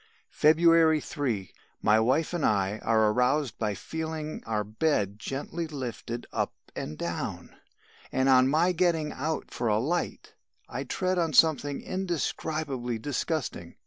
"February 3. My wife and I are aroused by feeling our bed gently lifted up and down, and on my getting out for a light, I tread on something indescribably disgusting.